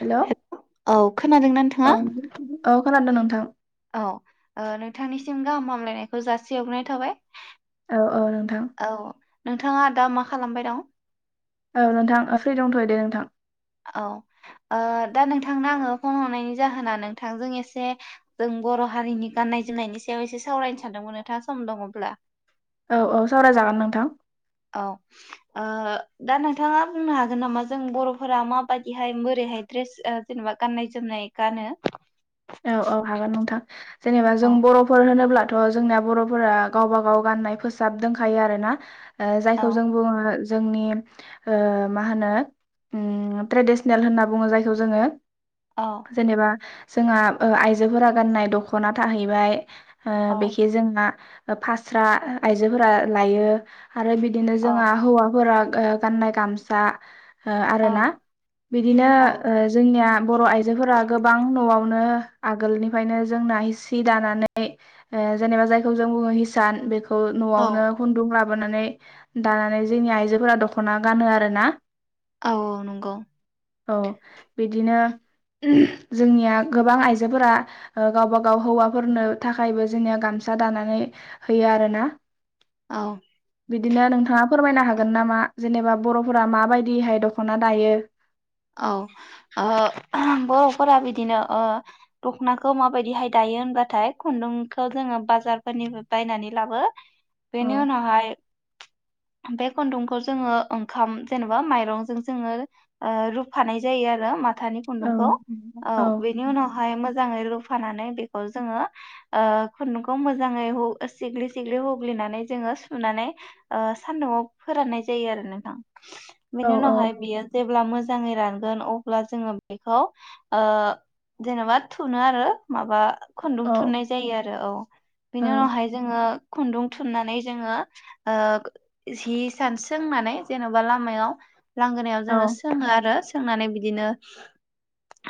हेल'। औ खोनादोंना नोंथाङा? औ खोनादों नोंथां। औ ओ नोंथांनिसिम गाहाम हामलायनायखौ जासिहरग्रोनाय थाबाय। औ औ नोंथां औ। नोंथाङा दा मा खालामबाय दं? औ नोंथां ओ फ्रि दंथ'यो दे नोंथां। औ ओ दा नोंथांनो आङो फन हरनायनि जाहोना नोंथांजों एसे जों बर' हारिनि गाननाय जोमनायनि सायाव एसे सावरायनो सानदोंमोन नोंथाङा सम दङ'ब्ला। औ औ सावरायजागोन नोंथां। औ ओ दा नोंथाङा बुंनो हागोन नामा जों बर'फोरा माबादिहाय बोरैहाय ड्रेस ओ जेनेबा गान्नाय जोमनाय गानो? औ औ हागोन नोंथां जेनेबा जों औ बर'फोर होनोब्ला थ' जोंनिया बर'फोरा गावबा गाव गाननाय फोसाब दोंखायो आरोना ओ औ जायखौ जों बुङो जोंनि ओ मा होनो ओ ट्रेडिसनेल होनना बुङो जायखौ जोङो औ जेनेबा जोंहा आइजोफोरा गाननाय दख'ना थाहैबाय ओ औ बेखि जोंना फास्रा आयजोफोरा लायो आरो बिदिनो औ जोंहा हौवाफोरा ओ गाननाय गामसा ओ औ आरोना बिदिनो ओ औ जोंनिया बर' आइ जोफोरा गोबां न'आव नो आगोलनिफ्रायनो जोंना हि सि दानानै ओ जेनोबा जायखौ बुङो हिसान बे खौ न'आवनो औ खुन्दुं ला बोनानै दानानै जोंनि आइजोफोरा दख'ना गानो आरो ना। औ औ नंगौ। औ बिदिनो जोंनिया गोबां आइजोफोरा ओ गावबा गाव हौवाफोरनो थाखायबो जोंनिया गामसा दानानै होयो आरोना। औ बिदिनो नोंथाङा फोरमायनो हागोन नामा? जेनोबा बर'फोरा माबायदिहाय दखना दायो? औ ओ बर'फोरा बिदिनो ओ दखनाखौ माबायदिहाय दायो होनबाथाय खुन्दुंखौ जोङो बाजारफोरनिफ्राय बायनानै लाबो औ बेनि उनावहाय बे खुन्दुंखौ जोङो ओंखाम जेनेबा माइरंजों जोङो ओ रुप फानाय जायो आरो मा थानि औ खुन्दुंखौ औ बेनि उनावहाय मोजाङै ल होफानानै बेखौ जोङो ओ खुन्दुंखौ मोजाङै हु सिग्लि सिग्लि हुग्लिनानै जोङो सुनानै ओ सान्दुङाव फोराननाय जायो आरो नोंथां। औ बेनि उनावहाय बियो जेब ब्ला मो जाङै रानगोन अब्ला जोङो बेखौ ओ जेनोबा थुनो आरो माबा खुन्दुं थुननाय जायो आरो औ औ बेनि उनावहाय जोङो खुन्दुं थुननानै जोङो ओ जि हिसान सोंनानै जेन'बा लामायाव लांगोनायाव जोङो सो रो सोंनानै बिदिनो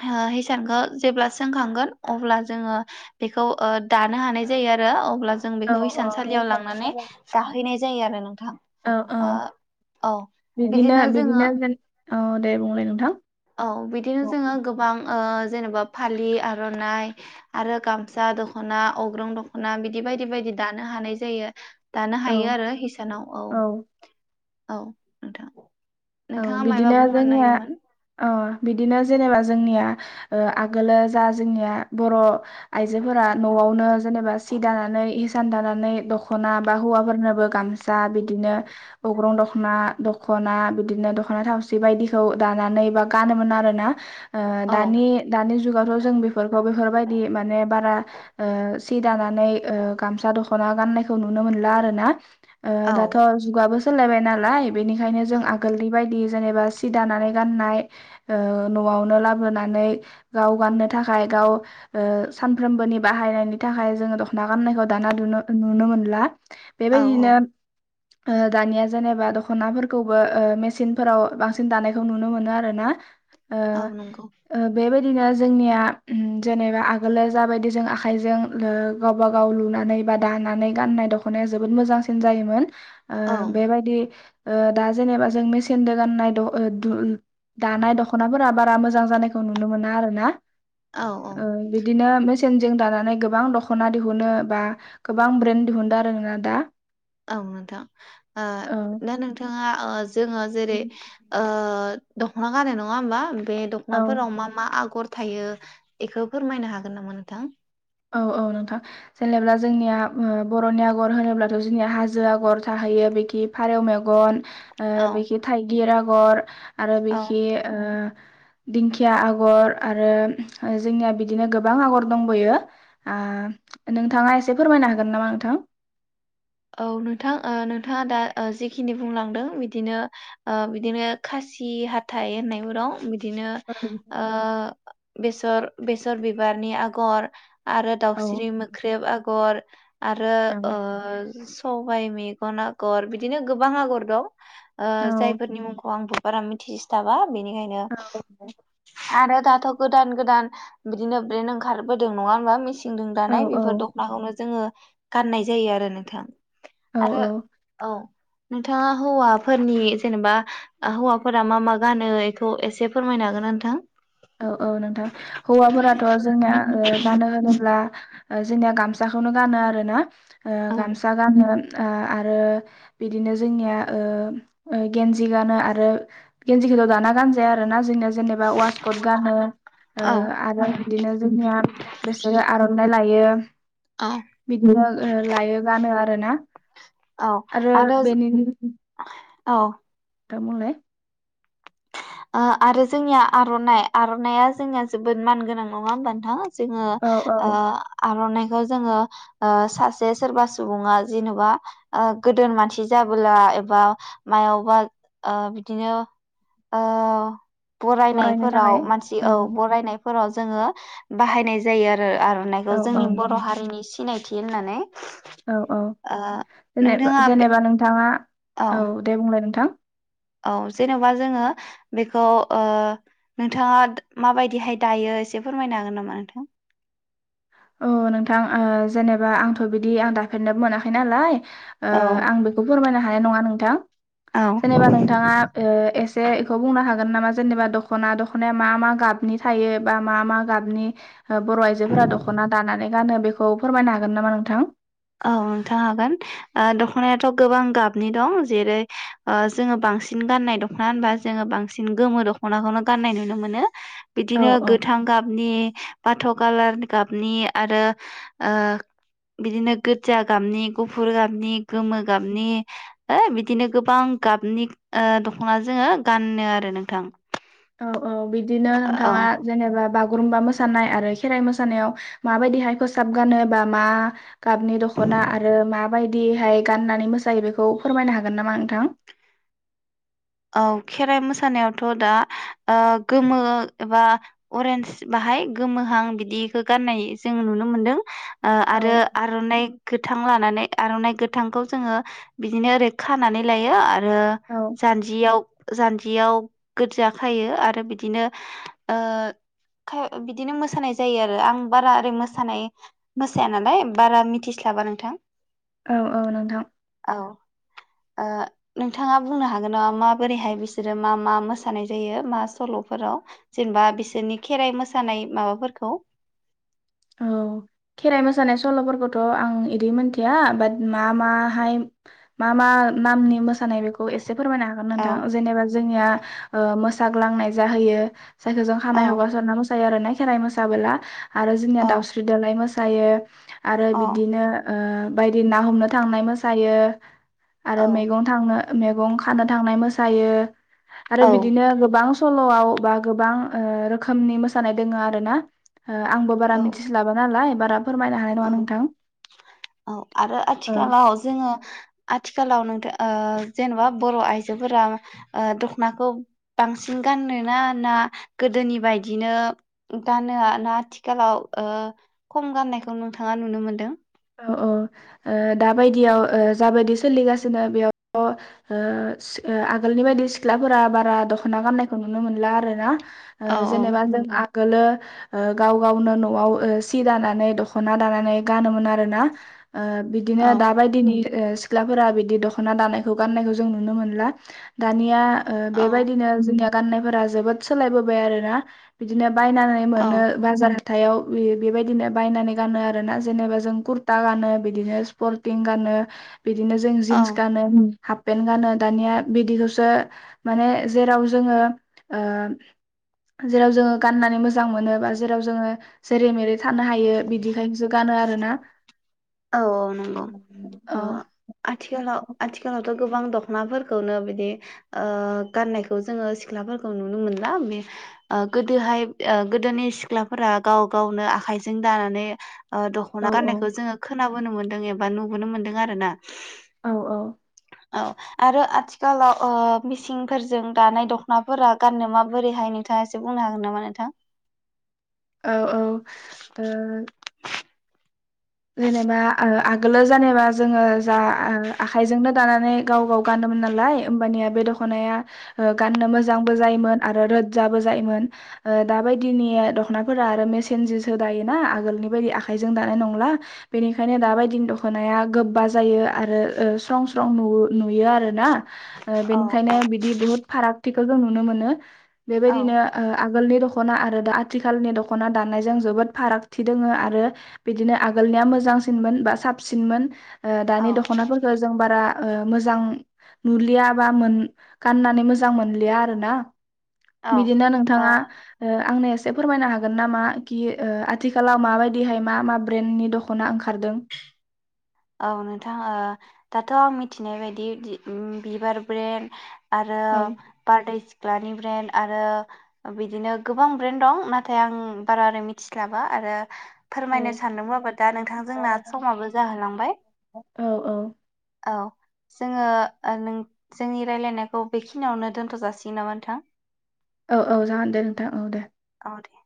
हो हिसानखौ जेब्ला सोंखांगोन अब्ला जोङो ओ दानो हानाय जायो आरो अब्ला जों बेखौ हिसानसालियाव लांनानै दाहैनाय जायो आरो नोंथां। औ औ ओ औ बिदिनो जोङो जेन औ दे बुंलाय नोंथां। औ बिदिनो औ जोङो गोबां ओ जेनोबा फालि आर'नाइ आरो गामसा दख'ना अग्रं दख'ना बिदि बायदि बायदि दानो हानाय जायो दानो हायो आरो हिसानाव, औ। औ नोंथां। औ नोंथाङा मायबा बिदिनो बुंनो जोंनिया नागिरदोंमोन औ बिदिनो जेनोबा जोंनिया ओ आगोलो जा जोंनिया बर' आइजोफोरा न'आवनो जेनोबा सि दानानै हिसान दानानै द ख'ना बा हौवाफोरनोबो गामसा बिदिनो अग्रं दख'ना दख'ना बे बिदिनो दख'ना थावसि बायदिखौ दानानै बा गानोमोन आरो ना। ओ औ दानि दानि जुगावथ' जों बेफोरखौ बेफोरबायदि माने बारा ओ सि दानानै ओ गामसा द ख'ना गाननायखौ नुनो मोनला आरो ना। ओ औ दाथ' जुगाबो सोलायबाय नालाय बेनिखायनो जों औ आ बेबायदि जेनोबा सि दानानै गाननाय ओ न'आवनो लाबोनानै गाव गाननो थाखाय गाव ओ सानफ्रोमबोनि बाहायनायनि थाखाय जोङो दख'ना गाननायखौ दाना दुनो नुनो मोनला। बेबायदिनो औ दानिया जेनेबा दख'नाफोरखौबो ओ मेचनफोराव बांसिन दानायखौ नुनो मोनो आरोना ओ औ नंगौ ओ बेबाय जोंनिया जोंनिया ओम जेनेबा आगोलो जाबायदि जों आखाइजों गावबा गाव लुनानै बा दानानै गाननाय दख'नाया जोबोद मोजांसिन जायोमोन ओ औ बेबायदि ओ दा जेनेबा जों मेचनजों गाननाय द ओ दु दानाय दख'नाफोरा बारा मोजां जानायखौ नुनो मोना आरो ना। औ औ ओ बिदिनो मे चिनजों दानानै गोबां दख'ना दिहुनो बा गोबां ब्रेन्ड दिहुनदों आरोना दा। औ नोंथां औ दा नोंथाङा ओ जोङो जेरै ओ दख'ना गारनाय नङा होमबा बे औ दख'नाफोराव मा मा आगर थायो बेखौ फोरमायनो हागोन नामा नोंथां। औ औ नोंथां जेनेब्ला जोंनिया ओ बर'नि आग'र होनोब्लाथ' जोंनिया हाजो आग'र थाहैयो बेखि फारौ मेगन ओ औ बेखि थाइगिर आ गर आरो औ बिखि ओ दिंखिया आगर आरो ओ जोंनिया बिदिनो गोबां आगर दंबैयो। ओ नोंथाङा एसे फोरमायनो हागोन नामा नोंथां औ नोंथां नोंथाङा दा जेखिनि बुंलांदों बिदिनो ओ बिदिनो खासि हाथाइ होननायबो दं। बि दिनो औ ओ बेसर- बेसर बिबारनि आगर आरो औ दाउस्रिनि मोख्रेब आगर आरो औ ओ सबाय मेगन आगर बिदिनो गोबां आगर दं औ जायफोरनि मुंखौ आंबो बारा मिथिस्लाबा बेनिखायनो आरो दाथ' गोदान गोदान बिदिनो ब्रेन ओंखारबोदों नङा होनबा मिस औ दानाय बेफोर औ दख'नाखौनो जोंङो गाननाय जायो आरो नोंथां औ आरो औ औ नोंथाङा हौवाफोरनि जेनेबा हौवाफोरा मा- मा गानो बेखौ एसे फोरमायनो हागोन ना नोंथां? औ -औ नोंथां हौवाफोराथ' जोंनिया ओ गानो होनोब्ला जोंनिया गामसाखौनो गानो आरो ना औ गामसा गानो आरो बिदिनो जोंनिया ओ गेन्जि गानो आरो गेन्जिखौथ' दाना गानजाया आरोना जोंनिया जेनेबा गानो ओ औ आरो बिदिनो जोंनिया बिसोरो आर'नाइ लायो औ [inaudible] बिदिनो लायो गानो आरोना आरो बेनि औ थां बुंलाय ओ आरो जोंनिया आर'नाइ - आर'नाइया जोंनिया जोबोद मान गोनां नङा होनबा नोंथां जोंङो औ औ ओ आर'नाइ बेखौ जोङो ओ सासे सोरबा सुबुङा जेनेबा ओ गोदोर मानसि जाबोला एबा मायावबा ओ बिदिनो ओ बरायनो थाखाय बरायनायफोराव मानसि औ बरायनाय फोराव जोंङो बाहायनाय जायो आरो आर'नाइखौ औ जोंनि बर' हारिनि सि सिनायथि होननानै औ-औ ओ जेनेबा नोंथाङा बे -जेनेबा नोंथाङा औ दे बुं नोंथां औ जेन'बा जोंङो बेखौ ओ नोंथाङा माबायदिहाय दायो एसे फोरमायनो हागोन नामा नोंथां? अ नोंथां आङो जेनेबा आंथ' बिदि आं दाफेरनोबो मोनाखै नालाय ओ औ आं बेखौ फोरमायनो हानाय नङा नोंथां जेनेबा औ नोंथाङा ओ एसे बेखौ बुंनो हागोन ना जेबा दखना दखनाय मा मा गाबनि थायो बा मा मा गाबनि ओ‌ बर आइजोफोरा दखना दखना दानानै गानो बेखौ फोरमायनो हागोन नामा नोंथां औ नोंथां हागोन ओ दखनायाथ गोबां गाबनि दं जेरै ओ जोङो बांसिन गाननाय दखना होनबा जोङो बांसिन गोमो दखनाखौनो गाननाय नुनो मोनो औ बिदिनो औ गोथां गाबनि बाथ कालार गाबनि आरो ओ बिदिनो गोदजा गाबनि गुफुर गाबनि गोमो गाबनि ओ बिदिनो गोबां गाबनि ओ दखना जोङो गानो आरो नोंथां औ औ बिदिनो औ नोंथाङा जेनेबा बागुरुम्बा मोसानाय आरो खेराइ मोसानायाव माबायदिहाय खोसाब गानो बा मा गाबनि दखना आरो माबायदिहाय गाननानै मोसायो बेखौ फोरमायनो हागोन नामा नोंथां औ खेराइ मोसानायावथ दा ओ गोमो एबा अरेन्ज बाहाय गोमोहां बिदिखौ गाननाय जों नुनो मोनदों ओ‌ औ आरो आरनाइ गोथां लानानै आरनाइ गोथांखौ जोङो बिदिनो ओरै खानानै लायो आरो औ रो याव जान्जियाव गोदजा खायो आरो बिदिनो ओ बिदिनो मोसानाय जायो आरो आं बारा ओरै मोसानाय मोसाया नालाय बारा मिथिस्लाबा नोंथां। औ औ नोंथां। औ ओ‌ नोंथाङा बुंनो हागोन? गोन‌ना माबोरैहाय बिसोरो मा मा मोसानाय जायो मा सलफोराव जेनबा बिसोरनि खेराय मोसानाय माबाफोर खौ? औ खेराइ मोसानाय सलफोरखौथ आं इदि मोनथिया बाट मा माहाय मा मा नामनि मोसानाय बेखौ एसे एसे फोरमायनो हागोन औ नोंथां जेनेबा जोंनिया ओ मोसाग्लांनाय जाहैयो। जायखौ जों औ खानाय हगारसारना मोसा नाय जायो आरो‌ना खेराइ मोसाबोला आरो जोंनिया औ दावस्रि देलाय मोसा सायो आरो औ बिदिनो ओ बायदि ना हमनो थांनाय मोसायो औ आरो मैगं थांनो मेगं खानो थांनाय मोसायो आरो औ बिदिनो गोबां सलआव बा गोबां ओ रोखोमनि सोसानाय दोङो आरो‌ना ओ‌ आंबो बारा औ मिथिस्लाबा नालाय बा औ औ आरो ओ आथिखालाव जोङो आथिखालाव नों ओ जेनबा बर आइजोफोरा ओ‌ दखनाखौ बांसिन गानोना ना गोदोनि बायदिनो गानो ना आथिखालाव‌ ओ खम गाननायखौ खौ नोंथाङा नुनो मोन्दों? औ औ ओ‌ दा बायदियाव ओ जाबायदि सोलिगासिनो बेयाव ओ सो आगोलनि बायदि सिख्लाफोरा बारा दखना गाननायखौ नुनो मोनला आरोना। ओ औ जेनेबा जों आ गोलो ओ गाव गावनो न'आव ओ सि दानानै दख'ना दानानै गानोमोन आ रोना ओ बिदिनो औ दाबायदिनि ओ सिख्लाफोरा बिदि दख'ना दानायखौ गाननायखौ जों नुनो मोनला दानिया ओ औ बेबायदिनो जोंनिया गाननायफोरा जोबोद सोलायबोबाय आरोना बिदिनो बायनानै औ मोनो बाजार हाथाइयाव बेयो बेबायदिनो बायनानै गानो आरोना जेनेबा जों कुरता गानो बिदिनो स्परटिं गानो। बिदिनो जों औ जिन्स गानो उम हाफ पेन्ट गानो दानिया बिदिखौसो माने जेराव जोंङो ओ जेराव जोंङो गाननानै मोजां मोनो बा जेराव जोंङो जेरै-मेरै थानो हायो बिदिखायसो गानो आरोना। औ नंगौ औ ओ आथिखालाव-आथिखालाव। त'गोबां दख'नाफोरखौनो बिदि ओ गाननायखौ जोंङो सिख्लाफोरखौ नुनो मोनला बे ओ गोदोहाय ओ गोदोनि सिख्लाफोरा गाव-गावनो आखायजों दानानै। ओ औ दख'ना औ गाननायखौ जोंङो। खोनाबोनो मोन्दों एबा नुबोनो मोन्दों आरोना। औ-औ। औ आरो आथिखालाव ओ मिसिंफोरजों दानाय दख'नाफोरा गाननो मा बोरैहाय नोंथांङा एसे बुंनो हागोन नामा नोंथां? औ-औ ओ। जेनेबा ओ आगोलो जेनेबा जोंङो जा ओ आखाइजोंनो दानानै गाव-गाव गानोमोन नालाय होमबानिया बे दख'नाया ओ गाननो मोजांबो जायोमोन आरो रोजजाबो जायोमोन ओ दाबायदिनि दख'नाफोरा आरो मेसेनजोसो दायोना आगोलनि बायदि आखाइजों दानाय नंला। बेनिखायनो दाबायदिनि दख'नाया गोबबा जायो आरो ओ स्रं-स्रं नु-नुयो आरो ना। ओ औ बिनिखायनो औ बिदि बुहुत फाराग। हिखौ जों नुनो मोनो। औ बेबायदिनो ओ आगोलनि दख। दख'ना आरो दा आथिखालनि दख'ना दानायजों जोबोद फारागथि दोंङो आरो बिदिनो। आगोलनिया मोजांसिनमोन बा साबसिनमोन। ओ दानि औ दख'नाफोरखौ जों बारा ओ। मोजां नुलिया बा मोन गाननानै मोजां मोनलिया आरोना। औ बिदिनो ओ नोंथाङा ओ आंनि। एसे फोरमायनो हागोन नामा कि ओ आथिखालाव माबायदिहाय मा-मा? ब्रेन्डनि दख'ना ओंखारदों? औ नोंथां ओ दाथ' आं मिथिनाय बायदि बि ओम बिबार ब्रेन्ड। आरो औ बारदै सिख। सिख्लानि ब्रेन्ड आरो बिदिनो गोबां ब्रेन्ड दं नाथाय आं बारा आरै मिथिस्लाबा आरो। औ फोरमायनो सानदोंबाबो दा नोंथां जोंना समाबो। जाहोलांबाय औ-औ। औ जोङो ओ नों जोंनि रायलायनायखौ बेखिनियावनो दोनथ जाासिगोन नामा नोंथां? औ-औ जागोन दे नोंथां औ दे। अ दे।